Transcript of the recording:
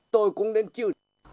tôi cũng đến chịu